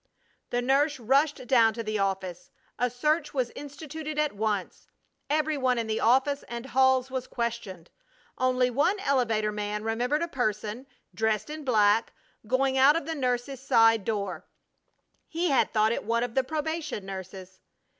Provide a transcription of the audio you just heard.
The nurse rushed down to the office. A search was instituted at once. Every one in the office and halls was questioned. Only one elevator man remembered a person, dressed in black, going out of the nurses' side door. He had thought it one of the probation nurses.